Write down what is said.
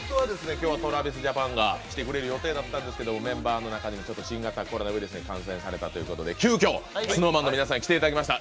今日はＴｒａｖｉｓＪａｐａｎが来てくれる予定だったんですけどメンバーの中で新型コロナウイルスに感染されたということで急きょＳｎｏｗＭａｎの皆さんに来ていただきました。